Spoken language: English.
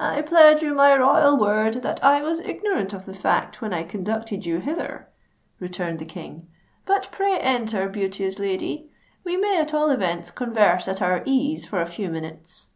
"I pledge you my royal word that I was ignorant of the fact when I conducted you hither," returned the King. "But, pray enter, beauteous lady: we may at all events converse at our ease for a few minutes."